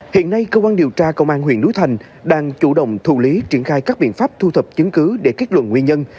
hiện nay cơ quan điều tra công an huyện núi thành đang chủ động thù lý triển khai các biện pháp thu thập chứng cứ để kết luận nguyên nhân